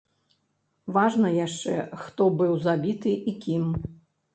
Важна яшчэ, хто быў забіты і кім.